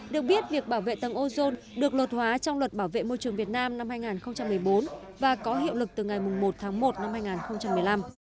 được biết việc bảo vệ tầng ozone được luật hóa trong luật bảo vệ môi trường việt nam năm hai nghìn một mươi bốn và có hiệu lực từ ngày một tháng một năm hai nghìn một mươi năm